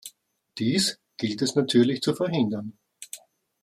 Dies gilt es natürlich zu verhindern.